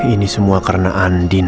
ini semua karena andin